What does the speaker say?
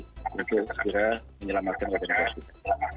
kita menyelamatkan warga negara kita